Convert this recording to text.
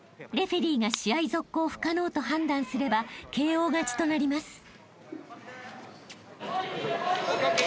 レフェリーが試合続行不可能と判断すればＫＯ勝ちとなります］